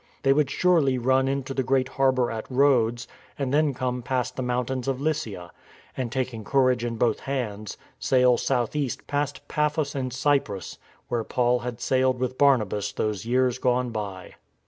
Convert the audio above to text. They would surely run into the great harbour at Rhodes and then come past the mountains of Lycia, and, taking courage in both hands, sail south east past Paphos in Cyprus whence Paul had sailed with Barnabas those years gone by.